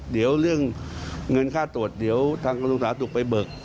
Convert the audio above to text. เดี๋ยวเรื่องเงินค่าตรวจเดี๋ยวทางกรุงศาสตร์ถูกไปเบิก